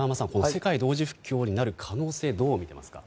世界同時不況なる可能性どうみていますか？